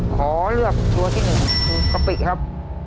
ขอเลือกตัวที่หนึ่งคือกะปิครับ